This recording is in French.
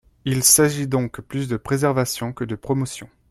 Il s’agit donc plus de préservation que de promotion.